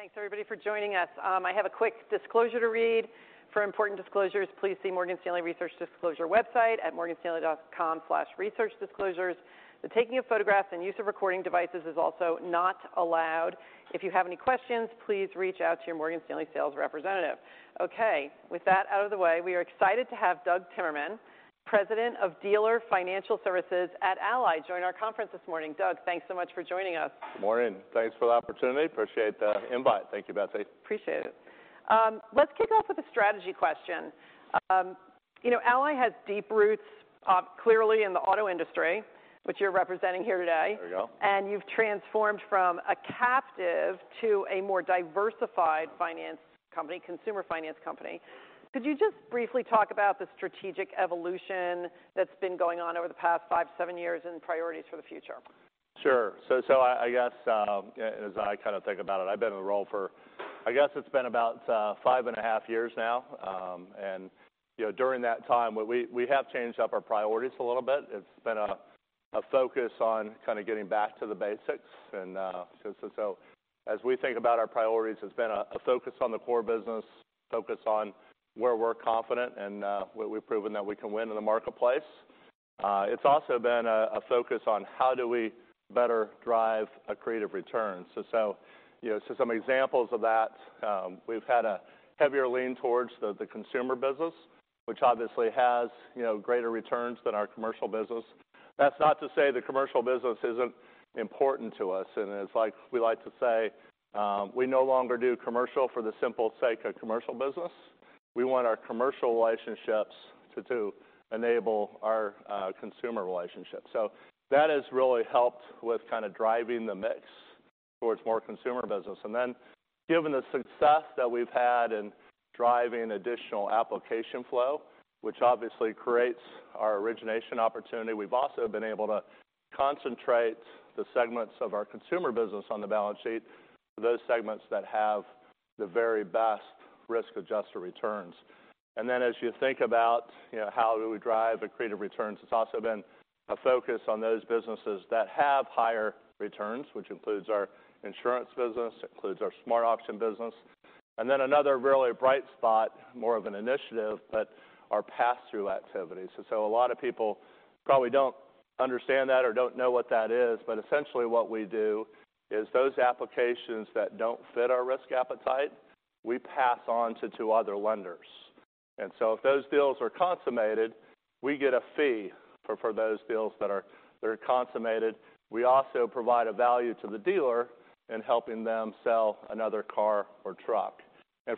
Thanks, everybody, for joining us. I have a quick disclosure to read. For important disclosures, please see Morgan Stanley Research Disclosure website at morganstanley.com/researchdisclosures. The taking of photographs and use of recording devices is also not allowed. If you have any questions, please reach out to your Morgan Stanley sales representative. Okay, with that out of the way, we are excited to have Doug Timmerman, President of Dealer Financial Services at Ally, join our conference this morning. Doug, thanks so much for joining us. Good morning. Thanks for the opportunity. Appreciate the invite. Thank you, Betsy. Appreciate it. Let's kick off with a strategy question. You know, Ally has deep roots, clearly in the auto industry, which you're representing here today. There we go. You've transformed from a captive to a more diversified finance company, consumer finance company. Could you just briefly talk about the strategic evolution that's been going on over the past five, seven years and priorities for the future? Sure. So I guess, as I kind of think about it, I've been in the role for, I guess it's been about five and a half years now. You know, during that time, we have changed up our priorities a little bit. It's been a focus on kind of getting back to the basics. As we think about our priorities, it's been a focus on the core business, focus on where we're confident and, where we've proven that we can win in the marketplace. It's also been a focus on how do we better drive accretive returns. You know, some examples of that, we've had a heavier lean towards the consumer business, which obviously has, you know, greater returns than our commercial business. That's not to say the commercial business isn't important to us, and it's like we like to say, we no longer do commercial for the simple sake of commercial business. We want our commercial relationships to enable our consumer relationships. That has really helped with kind of driving the mix towards more consumer business. Given the success that we've had in driving additional application flow, which obviously creates our origination opportunity, we've also been able to concentrate the segments of our consumer business on the balance sheet for those segments that have the very best risk-adjusted returns. As you think about, you know, how do we drive accretive returns, it's also been a focus on those businesses that have higher returns, which includes our insurance business, includes our SmartAuction business. Another really bright spot, more of an initiative, but our pass-through activities. A lot of people probably don't understand that or don't know what that is. But essentially, what we do is those applications that don't fit our risk appetite, we pass on to other lenders. If those deals are consummated, we get a fee for those deals that are consummated. We also provide a value to the dealer in helping them sell another car or truck.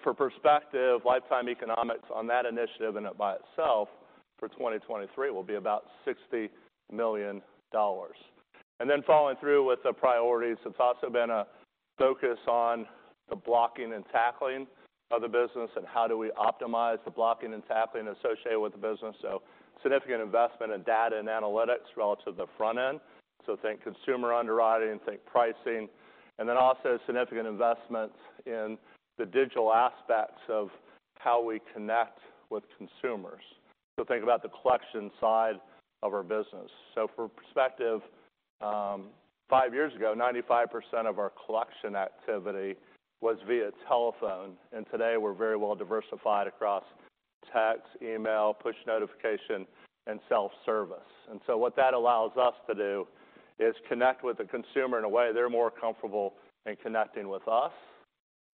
For perspective, lifetime economics on that initiative and by itself, for 2023, will be about $60 million. Following through with the priorities, it's also been a focus on the blocking and tackling of the business and how do we optimize the blocking and tackling associated with the business. Significant investment in data and analytics relative to the front end. Think consumer underwriting, think pricing, and then also significant investments in the digital aspects of how we connect with consumers. Think about the collection side of our business. For perspective, five years ago, 95% of our collection activity was via telephone, and today we're very well diversified across text, email, push notification, and self-service. What that allows us to do is connect with the consumer in a way they're more comfortable in connecting with us,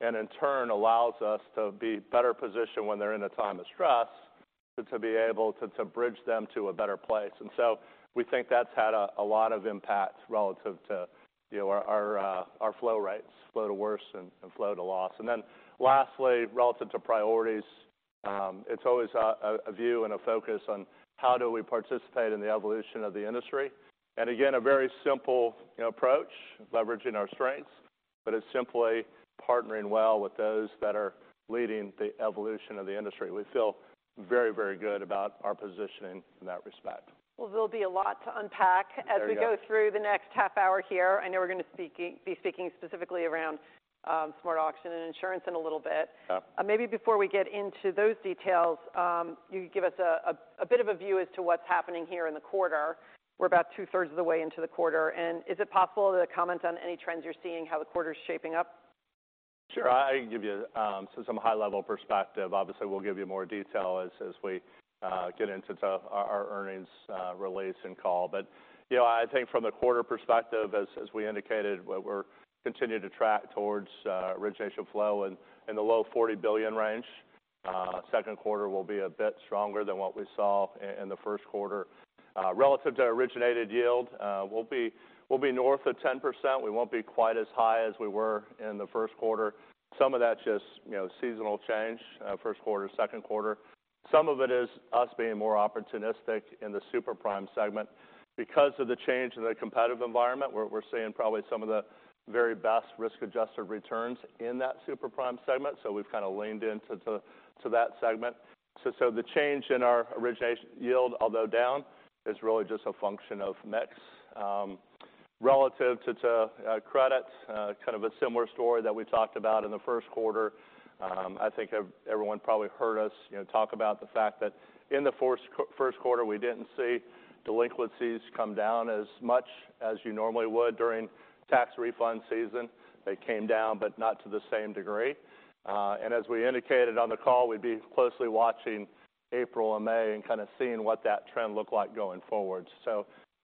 and in turn, allows us to be better positioned when they're in a time of stress, to be able to bridge them to a better place. We think that's had a lot of impact relative to, you know, our flow rates, flow to worse and flow to loss. Lastly, relative to priorities, it's always a view and a focus on how do we participate in the evolution of the industry. Again, a very simple, you know, approach, leveraging our strengths, but it's simply partnering well with those that are leading the evolution of the industry. We feel very good about our positioning in that respect. Well, there'll be a lot to unpack. There you go. as we go through the next half hour here. I know we're gonna be speaking specifically around, SmartAuction and insurance in a little bit. Yep. Maybe before we get into those details, you could give us a bit of a view as to what's happening here in the quarter. We're about two-thirds of the way into the quarter, is it possible to comment on any trends you're seeing, how the quarter is shaping up? Sure, I can give you some high-level perspective. Obviously, we'll give you more detail as we get into our earnings release and call. You know, I think from the quarter perspective, as we indicated, we're continuing to track towards origination flow in the low $40 billion range. Second quarter will be a bit stronger than what we saw in the first quarter. Relative to originated yield, we'll be north of 10%. We won't be quite as high as we were in the first quarter. Some of that just, you know, seasonal change, first quarter, second quarter. Some of it is us being more opportunistic in the super prime segment. Because of the change in the competitive environment, we're seeing probably some of the very best risk-adjusted returns in that super prime segment. We've kind of leaned into that segment. The change in our origination yield, although down, is really just a function of mix. Relative to credit, kind of a similar story that we talked about in the first quarter. I think everyone probably heard us, you know, talk about the fact that in the first quarter, we didn't see delinquencies come down as much as you normally would during tax refund season. They came down, but not to the same degree. As we indicated on the call, we'd be closely watching April and May and kind of seeing what that trend looked like going forward.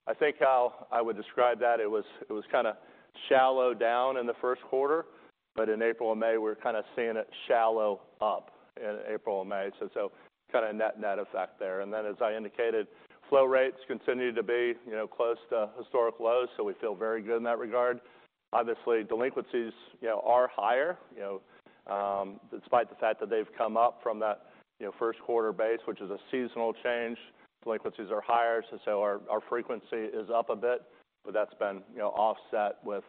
I think how I would describe that, it was kind of shallow down in the first quarter, but in April and May, we're kind of seeing it shallow up in April and May, so kind of net effect there. As I indicated, flow rates continue to be, you know, close to historic lows, so we feel very good in that regard. Obviously, delinquencies, you know, are higher, you know, despite the fact that they've come up from that, you know, first quarter base, which is a seasonal change, delinquencies are higher, so our frequency is up a bit, but that's been, you know, offset with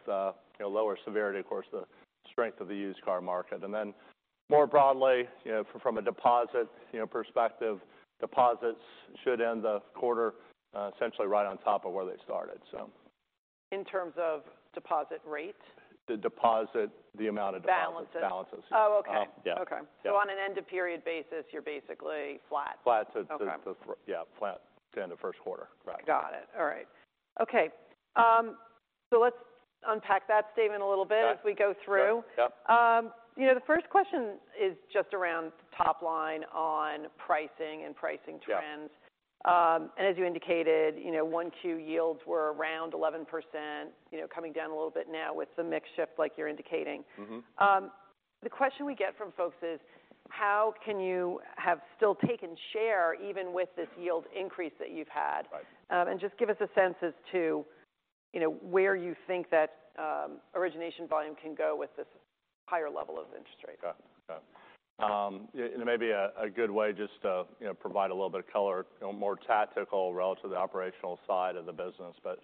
lower severity, of course, the strength of the used car market. More broadly, you know, from a deposit, you know, perspective, deposits should end the quarter, essentially right on top of where they started, so. In terms of deposit rate? The amount of deposits. Balances. Balances. Oh, okay. Yeah. Okay. On an end-of-period basis, you're basically flat. Flat. Okay... to, yeah, flat to end of first quarter, right. Got it. All right. Okay, let's unpack that statement a little bit.... as we go through. Sure, yep. You know, the first question is just around top line on pricing and pricing trends. Yeah. As you indicated, you know, 1Q yields were around 11%, you know, coming down a little bit now with the mix shift like you're indicating. Mm-hmm. The question we get from folks is, how can you have still taken share even with this yield increase that you've had? Right. Just give us a sense as to, you know, where you think that origination volume can go with this higher level of interest rate. Got it. Yeah. It may be a good way just to, you know, provide a little bit of color, you know, more tactical relative to the operational side of the business. But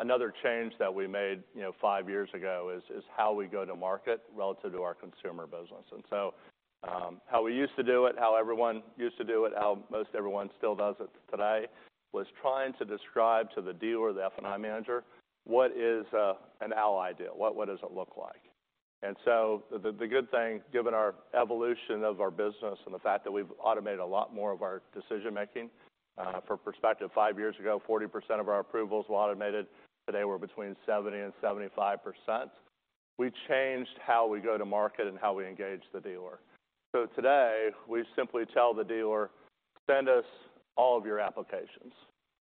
another change that we made, you know, five years ago is how we go to market relative to our consumer business. How we used to do it, how everyone used to do it, how most everyone still does it today, was trying to describe to the dealer, the F&I manager, what is an Ally deal? What does it look like? The good thing, given our evolution of our business and the fact that we've automated a lot more of our decision-making. For perspective, five years ago, 40% of our approvals were automated. Today, we're between 70% and 75%. We changed how we go to market and how we engage the dealer. Today, we simply tell the dealer, "Send us all of your applications."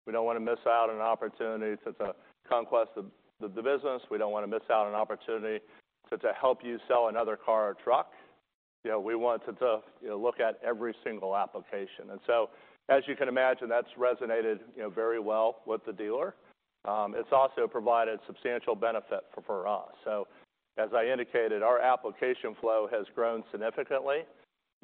We don't want to miss out on an opportunity to conquest the business. We don't want to miss out on an opportunity to help you sell another car or truck. You know, we want to, you know, look at every single application. As you can imagine, that's resonated, you know, very well with the dealer. It's also provided substantial benefit for us. As I indicated, our application flow has grown significantly.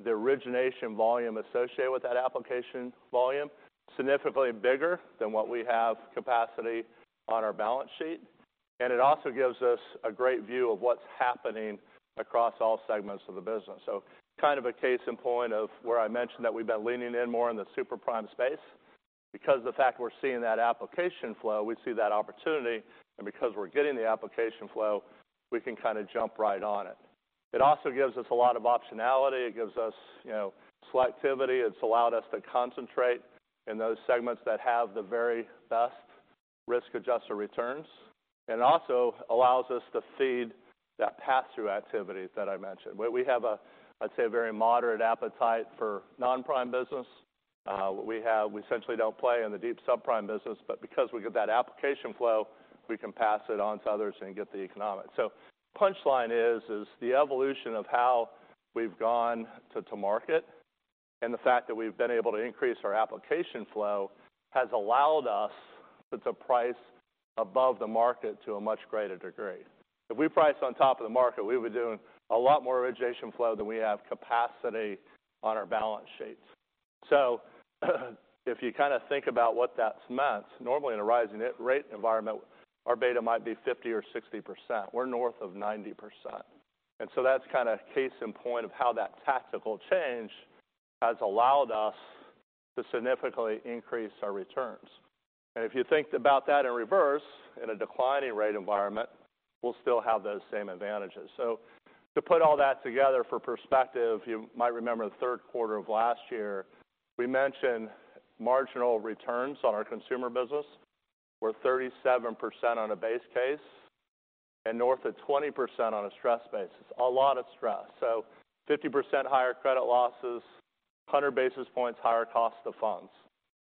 The origination volume associated with that application volume, significantly bigger than what we have capacity on our balance sheet. It also gives us a great view of what's happening across all segments of the business. Kind of a case in point of where I mentioned that we've been leaning in more in the super prime space. The fact we're seeing that application flow, we see that opportunity, and because we're getting the application flow, we can kind of jump right on it. It also gives us a lot of optionality. It gives us, you know, selectivity. It's allowed us to concentrate in those segments that have the very best risk-adjusted returns, and also allows us to feed that pass-through activity that I mentioned. Where we have a, I'd say, a very moderate appetite for non-prime business. We essentially don't play in the deep subprime business, but because we get that application flow, we can pass it on to others and get the economics. Punchline is the evolution of how we've gone to market, and the fact that we've been able to increase our application flow, has allowed us to price above the market to a much greater degree. If we priced on top of the market, we would be doing a lot more origination flow than we have capacity on our balance sheets. If you kind of think about what that means, normally in a rising rate environment, our beta might be 50% or 60%. We're north of 90%. That's kind of case in point of how that tactical change has allowed us to significantly increase our returns. If you think about that in reverse, in a declining rate environment, we'll still have those same advantages. To put all that together for perspective, you might remember the 3rd quarter of last year, we mentioned marginal returns on our consumer business were 37% on a base case and north of 20% on a stress basis. A lot of stress. Fifty percent higher credit losses, 100 basis points higher cost of funds.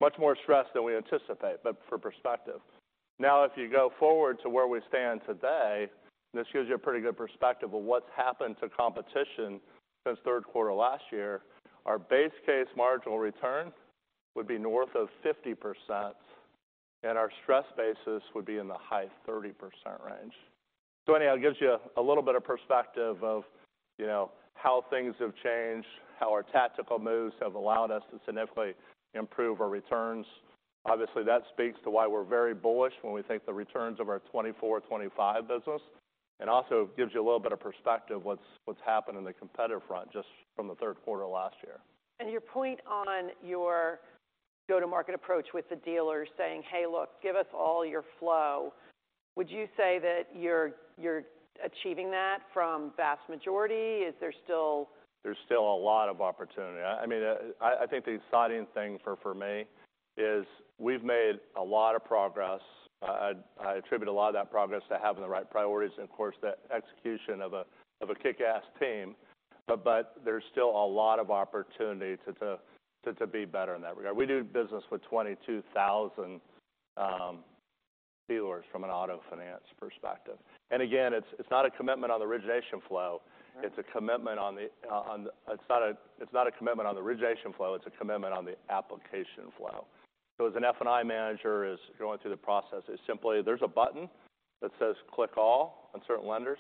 Much more stress than we anticipate, but for perspective. Now, if you go forward to where we stand today, this gives you a pretty good perspective of what's happened to competition since 3rd quarter last year. Our base case marginal return would be north of 50%, and our stress basis would be in the high 30% range. Anyhow, it gives you a little bit of perspective of, you know, how things have changed, how our tactical moves have allowed us to significantly improve our returns. Obviously, that speaks to why we're very bullish when we think the returns of our 2024, 2025 business, and also gives you a little bit of perspective what's happened in the competitive front, just from the third quarter of last year. Your point on your go-to-market approach with the dealers, saying: "Hey, look, give us all your flow." Would you say that you're achieving that from vast majority? There's still a lot of opportunity. I mean, I think the exciting thing for me is we've made a lot of progress. I attribute a lot of that progress to having the right priorities and, of course, the execution of a kick-ass team. There's still a lot of opportunity to be better in that regard. We do business with 22,000 dealers from an auto finance perspective. Again, it's not a commitment on the origination flow; it's a commitment on the application flow. As an F&I manager is going through the process, it's simply there's a button that says, "Click all," on certain lenders.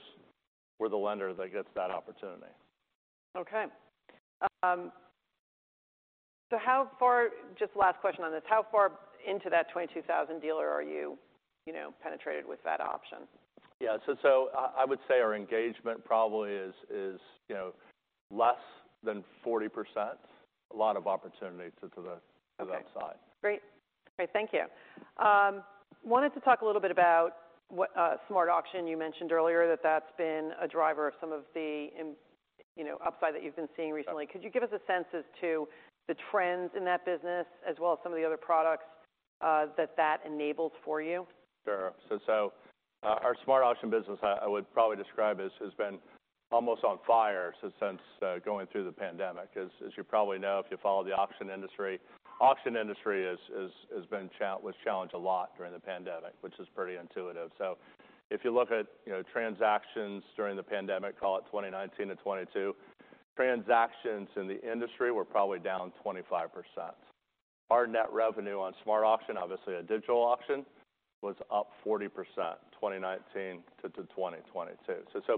We're the lender that gets that opportunity. Okay. How far into that 22,000 dealer are you know, penetrated with that option? I would say our engagement probably is, you know, less than 40%. A lot of opportunity to to that side. Great. Okay, thank you. Wanted to talk a little bit about what SmartAuction. You mentioned earlier that that's been a driver of some of the you know, upside that you've been seeing recently. Yeah. Could you give us a sense as to the trends in that business, as well as some of the other products, that that enables for you? Sure. Our SmartAuction business, I would probably describe as, has been almost on fire since going through the pandemic. As you probably know, if you follow the auction industry, auction industry has been challenged a lot during the pandemic, which is pretty intuitive. If you look at, you know, transactions during the pandemic, call it 2019-2022, transactions in the industry were probably down 25%. Our net revenue on SmartAuction, obviously a digital auction, was up 40%, 2019-2022.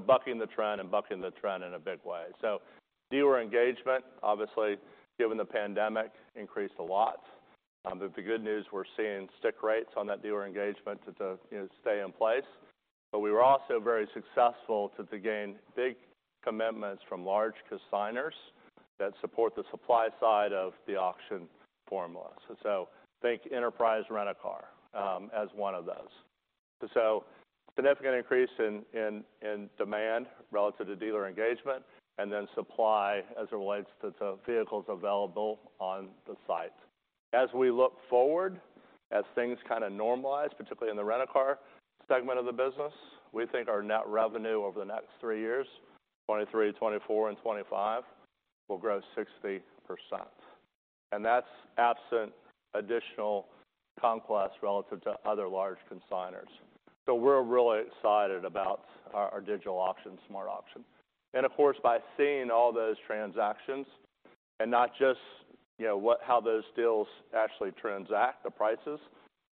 Bucking the trend and bucking the trend in a big way. Dealer engagement, obviously, given the pandemic, increased a lot. But the good news, we're seeing stick rates on that dealer engagement to, you know, stay in place. We were also very successful to gain big commitments from large consignors that support the supply side of the auction formula. Think Enterprise Rent-A-Car as one of those. Significant increase in demand relative to dealer engagement, and then supply as it relates to vehicles available on the site. As we look forward, as things kind of normalize, particularly in the rent-a-car segment of the business, we think our net revenue over the next three years, 2023, 2024, and 2025, will grow 60%. That's absent additional conquest relative to other large consignors. We're really excited about our digital auction, SmartAuction. Of course, by seeing all those transactions and not just, you know, how those deals actually transact, the prices,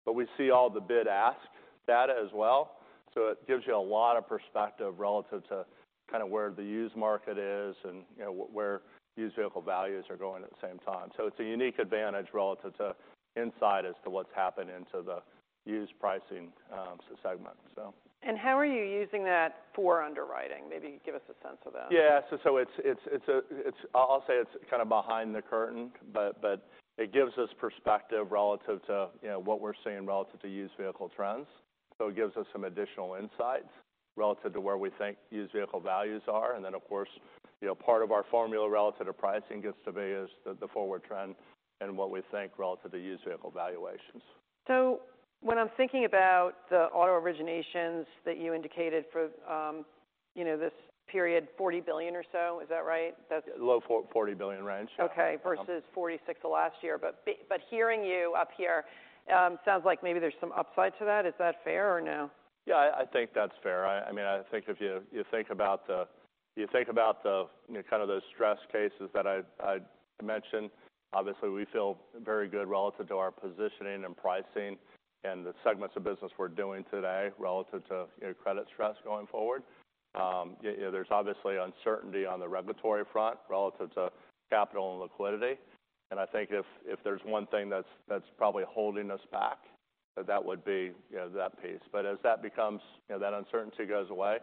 but we see all the bid-ask data as well. It gives you a lot of perspective relative to kind of where the used market is and, you know, where used vehicle values are going at the same time. It's a unique advantage relative to insight as to what's happening to the used pricing, segment, so. How are you using that for underwriting? Maybe give us a sense of that. Yeah, so it's a... I'll say it's kind of behind the curtain, but it gives us perspective relative to, you know, what we're seeing relative to used vehicle trends. It gives us some additional insights relative to where we think used vehicle values are. Of course, you know, part of our formula relative to pricing gets to be is the forward trend and what we think relative to used vehicle valuations. When I'm thinking about the auto originations that you indicated for, you know, this period, $40 billion or so, is that right? Low $40 billion range. Okay, versus 46 the last year. Hearing you up here, sounds like maybe there's some upside to that. Is that fair or no? Yeah, I think that's fair. I mean, I think if you think about the, you know, kind of those stress cases that I mentioned, obviously, we feel very good relative to our positioning and pricing and the segments of business we're doing today relative to, you know, credit stress going forward. Yeah, there's obviously uncertainty on the regulatory front relative to capital and liquidity. I think if there's one thing that's probably holding us back, that would be, you know, that piece. As that becomes, you know, that uncertainty goes away,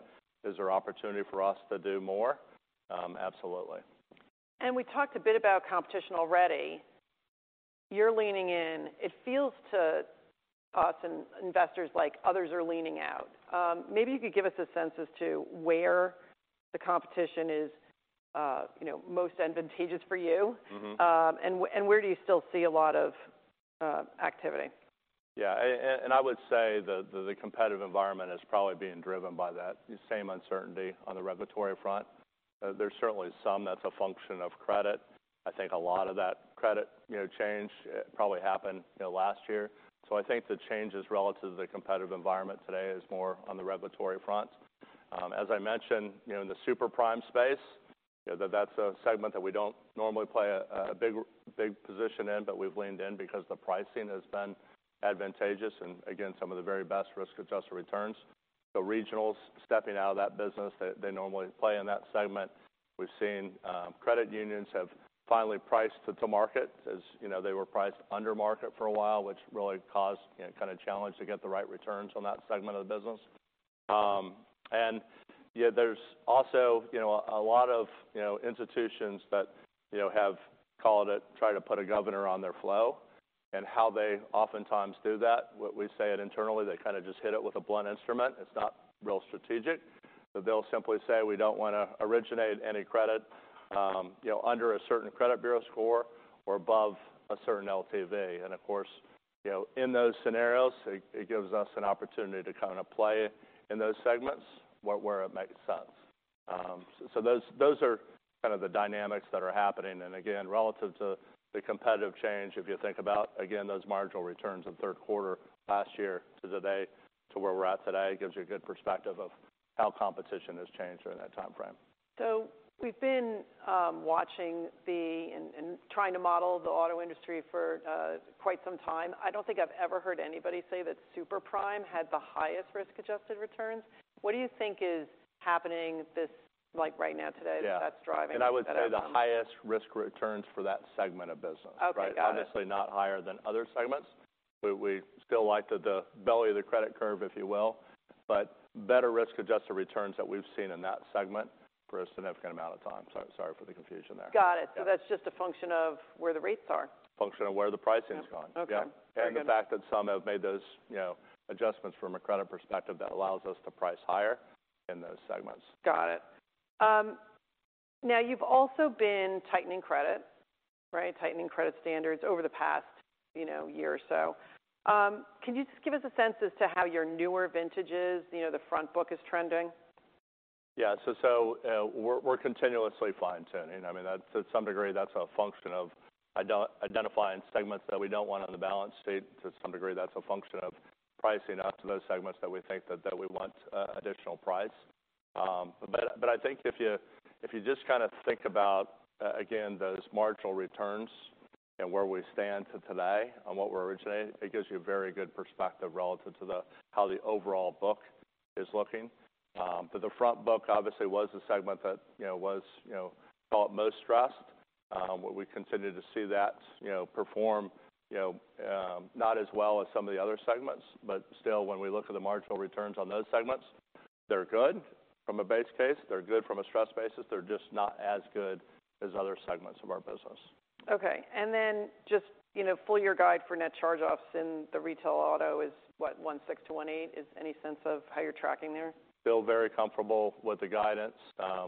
is there opportunity for us to do more? Absolutely. We talked a bit about competition already. You're leaning in. It feels to us and investors like others are leaning out. Maybe you could give us a sense as to where the competition is, you know, most advantageous for you. Mm-hmm. Where do you still see a lot of activity? Yeah, and I would say that the competitive environment is probably being driven by that same uncertainty on the regulatory front. There's certainly some that's a function of credit. I think a lot of that credit, you know, change probably happened, you know, last year. I think the changes relative to the competitive environment today is more on the regulatory front. As I mentioned, you know, in the super prime space, you know, that's a segment that we don't normally play a big position in, but we've leaned in because the pricing has been advantageous, and again, some of the very best risk-adjusted returns. The regionals stepping out of that business, they normally play in that segment. We've seen, credit unions have finally priced to market, as, you know, they were priced under market for a while, which really caused, you know, kind of challenge to get the right returns on that segment of the business. Yeah, there's also, you know, a lot of, you know, institutions that, you know, have called it, try to put a governor on their flow. How they oftentimes do that, what we say it internally, they kind of just hit it with a blunt instrument. It's not real strategic, but they'll simply say, "We don't want to originate any credit, you know, under a certain credit bureau score or above a certain LTV." Of course, you know, in those scenarios, it gives us an opportunity to kind of play in those segments where it makes sense. Those are kind of the dynamics that are happening. Again, relative to the competitive change, if you think about, again, those marginal returns in third quarter last year to today, to where we're at today, it gives you a good perspective of how competition has changed during that timeframe. We've been watching and trying to model the auto industry for quite some time. I don't think I've ever heard anybody say that super prime had the highest risk-adjusted returns. What do you think is happening this, like, right now, today? Yeah that's driving? I would say the highest risk returns for that segment of business. Okay, got it. Obviously, not higher than other segments. We still like the belly of the credit curve, if you will, but better risk-adjusted returns that we've seen in that segment for a significant amount of time. Sorry for the confusion there. Got it. Yeah. That's just a function of where the rates are? Function of where the pricing's going. Okay. The fact that some have made those, you know, adjustments from a credit perspective, that allows us to price higher in those segments. Got it. Now, you've also been tightening credit, right? Tightening credit standards over the past, you know, year or so. Can you just give us a sense as to how your newer vintages, you know, the front book is trending? Yeah. So, we're continuously fine-tuning. I mean, that's to some degree, that's a function of identifying segments that we don't want on the balance sheet. To some degree, that's a function of pricing out to those segments that we think that we want additional price. But I think if you just kind of think about again, those marginal returns and where we stand to today on what we're originating, it gives you a very good perspective relative to how the overall book is looking. But the front book obviously, was the segment that, you know, thought most stressed. We continue to see that, you know, perform, you know, not as well as some of the other segments, but still, when we look at the marginal returns on those segments, they're good from a base case, they're good from a stress basis, they're just not as good as other segments of our business. Okay. just, you know, full year guide for net charge-offs in the retail auto is what? 1.6%-1.8%. Is any sense of how you're tracking there? Feel very comfortable with the guidance.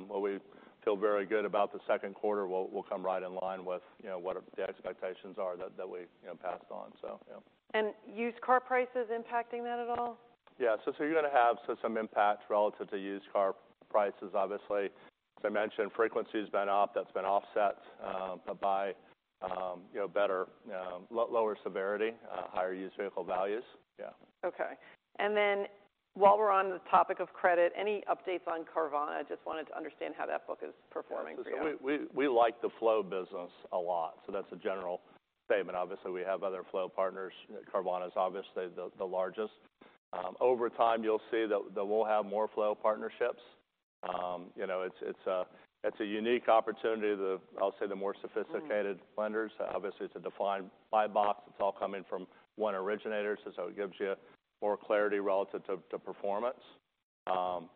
Well, we feel very good about the second quarter will come right in line with, you know, what the expectations are that we, you know, passed on. Yeah. Used car prices impacting that at all? Yeah, you're gonna have some impact relative to used car prices. Obviously, as I mentioned, frequency has been up. That's been offset, by, you know, better, lower severity, higher used vehicle values. Yeah. Okay. While we're on the topic of credit, any updates on Carvana? I just wanted to understand how that book is performing for you. We like the flow business a lot, that's a general statement. Obviously, we have other flow partners. Carvana is obviously the largest. Over time, you'll see that we'll have more flow partnerships. You know, it's a unique opportunity to... I'll say, the more sophisticated- Mm -lenders. Obviously, it's a defined buy box. It's all coming from one originator, so it gives you more clarity relative to performance. You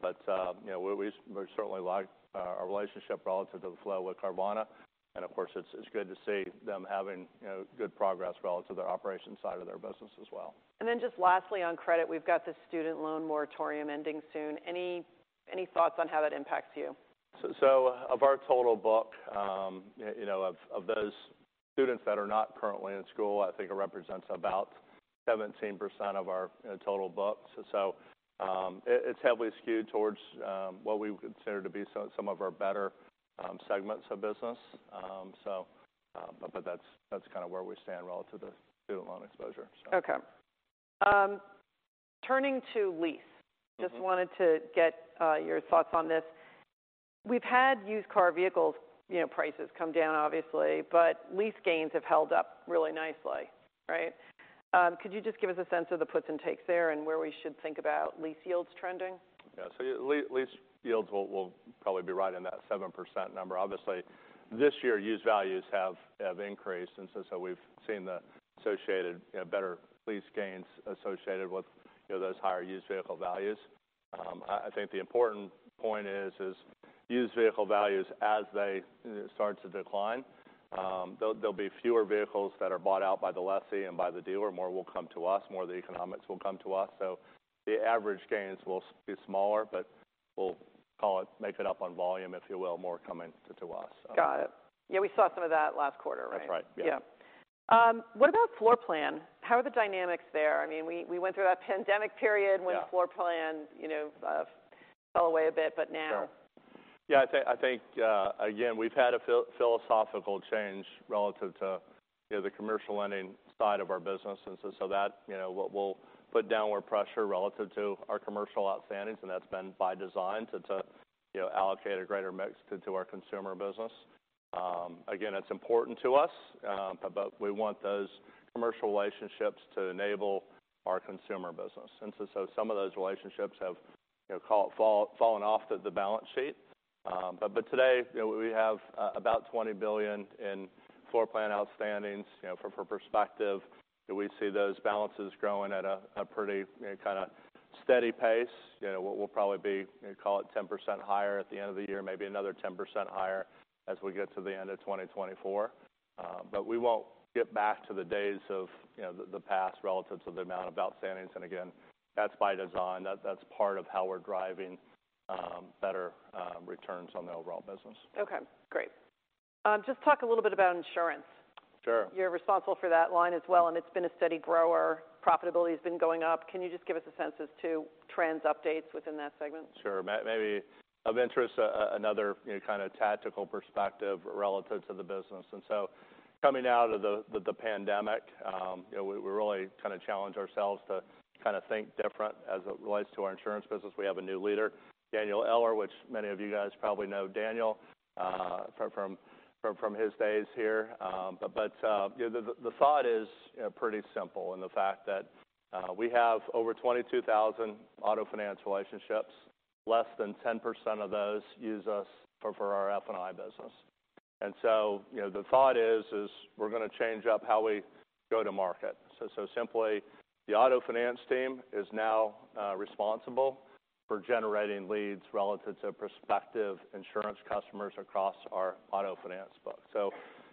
know, we certainly like our relationship relative to the flow with Carvana, and of course, it's good to see them having, you know, good progress relative to their operation side of their business as well. Just lastly, on credit, we've got the student loan moratorium ending soon. Any thoughts on how that impacts you? Of our total book, you know, of those students that are not currently in school, I think it represents about 17% of our, you know, total book. It's heavily skewed towards what we would consider to be some of our better segments of business. But that's kind of where we stand relative to student loan exposure. Okay. turning to lease. Mm-hmm. Just wanted to get your thoughts on this. We've had used car vehicles, you know, prices come down obviously, but lease gains have held up really nicely, right? Could you just give us a sense of the puts and takes there, and where we should think about lease yields trending? Yeah. Lease yields will probably be right in that 7% number. Obviously, this year, used values have increased, we've seen the associated, you know, better lease gains associated with, you know, those higher used vehicle values. I think the important point is used vehicle values as they start to decline, there'll be fewer vehicles that are bought out by the lessee and by the dealer. More will come to us, more of the economics will come to us. The average gains will be smaller, but we'll call it, make it up on volume, if you will, more coming to us. Got it. Yeah, we saw some of that last quarter, right? That's right. Yeah. Yeah. What about floor plan? How are the dynamics there? I mean, we went through that pandemic period... Yeah when floor plans, you know, fell away a bit, but now? Sure. Yeah, I think, again, we've had a philosophical change relative to, you know, the commercial lending side of our business. So that, you know, what we'll put downward pressure relative to our commercial outstanding, and that's been by design to, you know, allocate a greater mix to our consumer business. Again, it's important to us, but we want those commercial relationships to enable our consumer business. So some of those relationships have, you know, call it fallen off the balance sheet. Today, you know, we have, about $20 billion in floor plan outstandings. You know, for perspective, we see those balances growing at a pretty, kind of steady pace. You know, we'll probably be, call it 10% higher at the end of the year, maybe another 10% higher as we get to the end of 2024. We won't get back to the days of, you know, the past relative to the amount of outstandings, and again, that's by design. That's, that's part of how we're driving, better, returns on the overall business. Okay, great. Just talk a little bit about insurance. Sure. You're responsible for that line as well. It's been a steady grower. Profitability has been going up. Can you just give us a sense as to trends, updates within that segment? Sure. maybe of interest, another, you know, kind of tactical perspective relative to the business. And so coming out of the pandemic, you know, we really kind of challenged ourselves to kind of think different as it relates to our insurance business. We have a new leader, Daniel Eller, which many of you guys probably know Daniel, from his days here. But, you know, the thought is, you know, pretty simple in the fact that we have over 22,000 auto finance relationships. Less than 10% of those use us for our F&I business. And so, you know, the thought is we're gonna change up how we go to market. Simply, the auto finance team is now responsible for generating leads relative to prospective insurance customers across our auto finance book.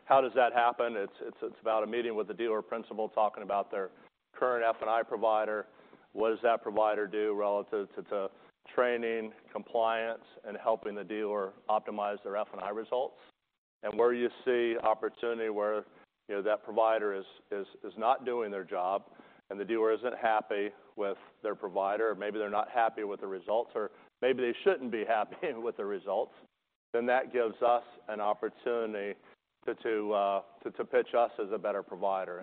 How does that happen? It's about a meeting with the dealer principal, talking about their current F&I provider. What does that provider do relative to training, compliance, and helping the dealer optimize their F&I results? Where you see opportunity where, you know, that provider is not doing their job and the dealer isn't happy with their provider, or maybe they're not happy with the results, or maybe they shouldn't be happy with the results, then that gives us an opportunity to pitch us as a better provider.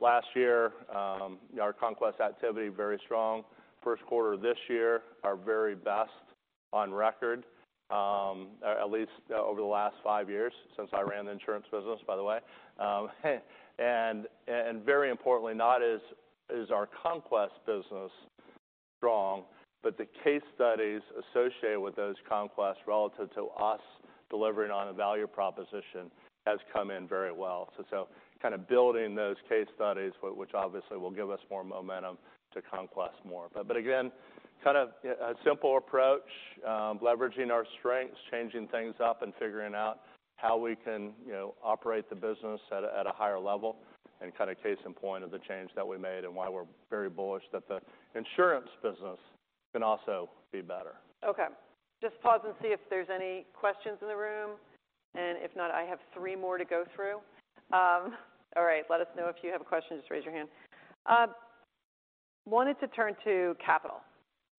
Last year, our conquest activity, very strong. First quarter this year, our very best on record, at least over the last five years since I ran the insurance business, by the way. Very importantly, not as our conquest business strong, but the case studies associated with those conquests relative to us delivering on a value proposition has come in very well. Kind of building those case studies, which obviously will give us more momentum to conquest more. Again, kind of a simple approach, leveraging our strengths, changing things up, and figuring out how we can, you know, operate the business at a higher level. Kind of case in point of the change that we made and why we're very bullish that the insurance business can also be better. Okay. Just pause and see if there's any questions in the room, and if not, I have three more to go through. All right, let us know if you have a question, just raise your hand. Wanted to turn to capital,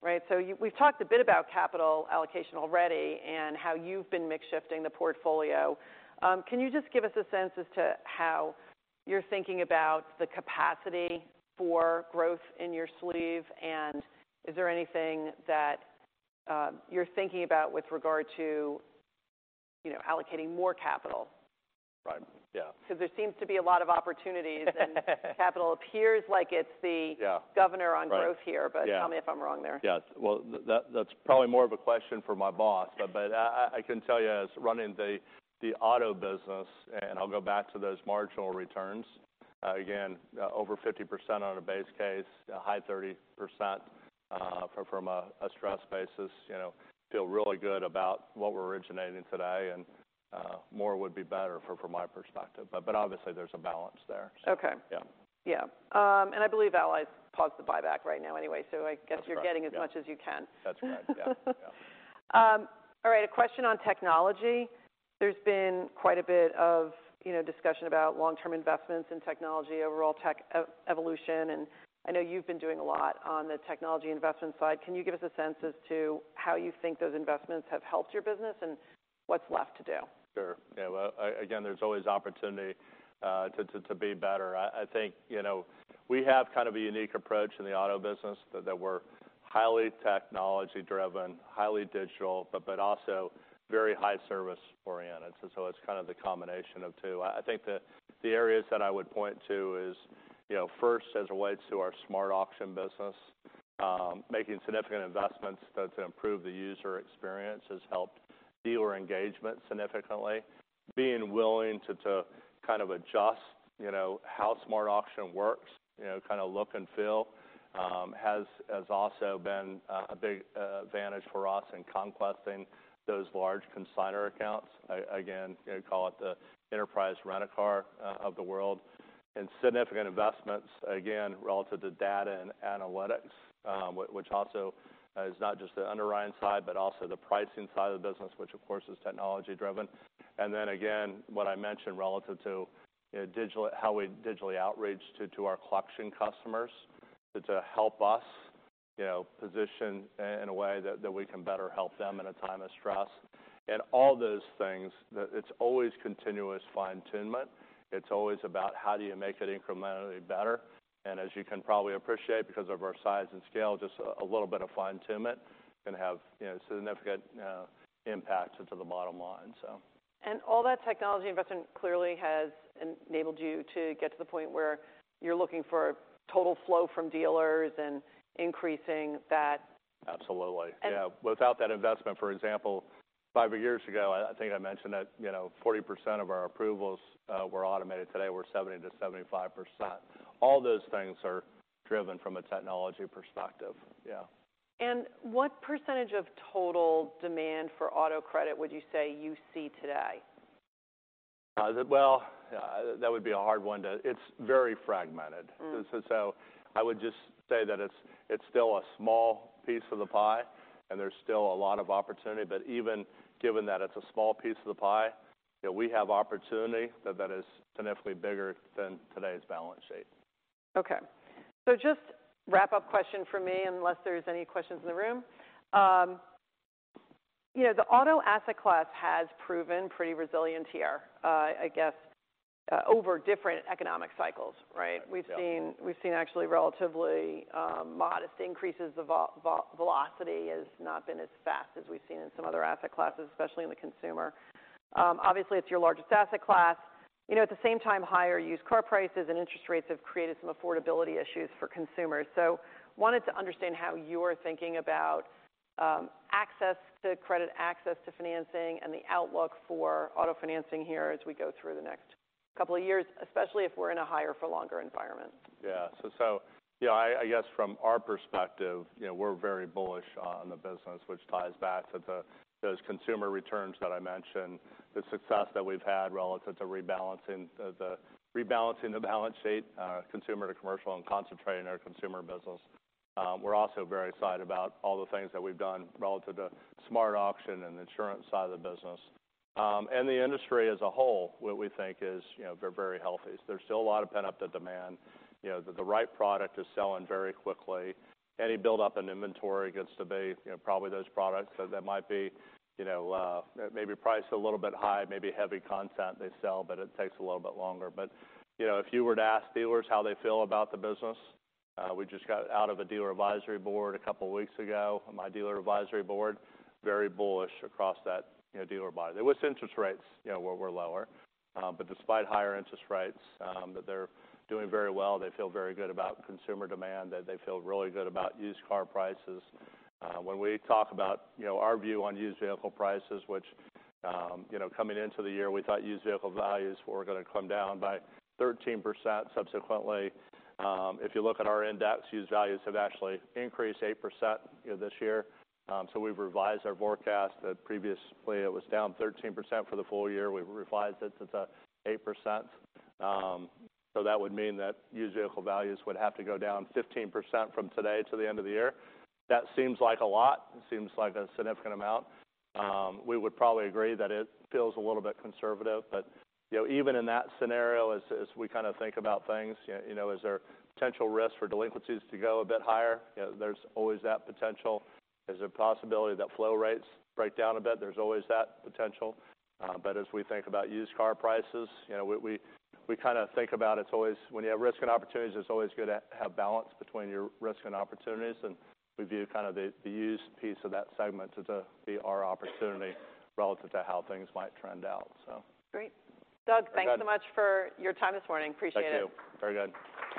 right? We've talked a bit about capital allocation already and how you've been mix shifting the portfolio. Can you just give us a sense as to how you're thinking about the capacity for growth in your sleeve, and is there anything that, you're thinking about with regard to, you know, allocating more capital? Right. Yeah. There seems to be a lot of opportunities-, and capital appears like it's the-. Yeah... governor on growth Right. Yeah... tell me if I'm wrong there. Yes. Well, that's probably more of a question for my boss. I can tell you as running the auto business, and I'll go back to those marginal returns, again, over 50% on a base case, a high 30%, from a stress basis, you know, feel really good about what we're originating today, and more would be better from my perspective, but obviously there's a balance there. Okay. Yeah. Yeah. I believe Ally paused the buyback right now anyway, so I guess. That's right. you're getting as much as you can. That's right. Yeah. Yeah. All right. A question on technology. There's been quite a bit of, you know, discussion about long-term investments in technology, overall tech evolution, and I know you've been doing a lot on the technology investment side. Can you give us a sense as to how you think those investments have helped your business and what's left to do? Sure. Yeah, well, again, there's always opportunity to be better. I think, you know, we have kind of a unique approach in the auto business, that we're highly technology-driven, highly digital, but also very high service-oriented. It's kind of the combination of two. I think the areas that I would point to is, you know, first, as it relates to our SmartAuction business, making significant investments to improve the user experience has helped dealer engagement significantly. Being willing to kind of adjust, you know, how SmartAuction works, you know, kind of look and feel, has also been a big advantage for us in conquesting those large consignor accounts. Again, you know, call it the Enterprise Rent-A-Car of the world. Significant investments, again, relative to data and analytics, which also is not just the underwriting side, but also the pricing side of the business, which, of course, is technology-driven. Then again, what I mentioned relative to, you know, how we digitally outreach to our collection customers to help us, you know, position in a way that we can better help them in a time of stress. All those things, It's always continuous fine-tunement. It's always about how do you make it incrementally better? As you can probably appreciate, because of our size and scale, just a little bit of fine-tunement can have, you know, significant impact to the bottom line, so. All that technology investment clearly has enabled you to get to the point where you're looking for total flow from dealers and increasing that? Absolutely. And- Yeah, without that investment, for example, five years ago, I think I mentioned that, you know, 40% of our approvals were automated. Today, we're 70%-75%. All those things are driven from a technology perspective. Yeah. What percentage of total demand for auto credit would you say you see today? Well, that would be a hard one. It's very fragmented. Mm. I would just say that it's still a small piece of the pie, and there's still a lot of opportunity. Even given that it's a small piece of the pie, you know, we have opportunity that is significantly bigger than today's balance sheet. Okay. Just wrap-up question for me, unless there's any questions in the room. You know, the auto asset class has proven pretty resilient here, I guess, over different economic cycles, right? Yeah. We've seen actually relatively modest increases. The velocity has not been as fast as we've seen in some other asset classes, especially in the consumer. Obviously, it's your largest asset class. You know, at the same time, higher used car prices and interest rates have created some affordability issues for consumers. Wanted to understand how you're thinking about access to credit, access to financing, and the outlook for auto financing here as we go through the next couple of years, especially if we're in a higher for longer environment. Yeah. So, you know, I guess from our perspective, you know, we're very bullish on the business, which ties back to those consumer returns that I mentioned, the success that we've had relative to rebalancing the balance sheet, consumer to commercial, and concentrating our consumer business. We're also very excited about all the things that we've done relative to SmartAuction and the insurance side of the business. The industry as a whole, what we think is, you know, very, very healthy. There's still a lot of pent-up demand. You know, the right product is selling very quickly. Any build up in inventory gets to be, you know, probably those products that might be, you know, maybe priced a little bit high, maybe heavy content. They sell, but it takes a little bit longer. You know, if you were to ask dealers how they feel about the business, we just got out of a dealer advisory board a couple of weeks ago. My dealer advisory board, very bullish across that, you know, dealer body. With interest rates, you know, were lower, but despite higher interest rates, that they're doing very well. They feel very good about consumer demand, that they feel really good about used car prices. When we talk about, you know, our view on used vehicle prices, which, you know, coming into the year, we thought used vehicle values were gonna come down by 13%. Subsequently, if you look at our index, used values have actually increased 8%, you know, this year. We've revised our forecast that previously it was down 13% for the full year. We've revised it to the 8%. That would mean that used vehicle values would have to go down 15% from today to the end of the year. That seems like a lot. It seems like a significant amount. We would probably agree that it feels a little bit conservative, you know, even in that scenario, as we kind of think about things, you know, is there potential risk for delinquencies to go a bit higher? You know, there's always that potential. There's a possibility that flow rates break down a bit. There's always that potential. As we think about used car prices, you know, we kind of think about it's always when you have risk and opportunities, it's always good to have balance between your risk and opportunities, and we view kind of the used piece of that segment to be our opportunity relative to how things might trend out, so. Great. Doug, thanks so much for your time this morning. Appreciate it. Thank you. Very good.